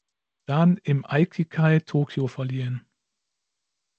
Dan im Aikikai Tokio verliehen.